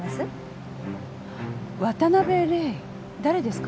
誰ですか？